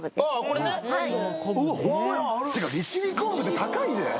これねはいてか利尻昆布って高いで？